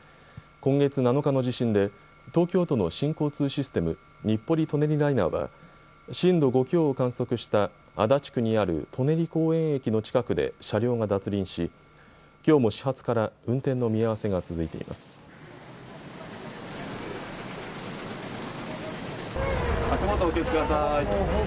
今月７日の地震で東京都の新交通システム、日暮里・舎人ライナーは震度５強を観測した足立区にある舎人公園駅の近くで車両が脱輪しきょうも始発から運転の見合わせが続いています。